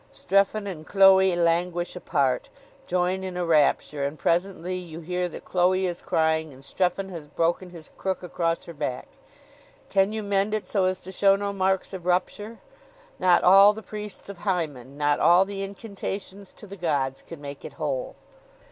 Strephon and Chloe languish apart; join in a rapture: and presently you hear that Chloe is crying, and Strephon has broken his crook across her back. Can you mend it so as to show no marks of rupture? Not all the priests of Hymen, not all the incantations to the gods, can make it whole!